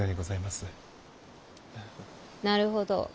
なるほど。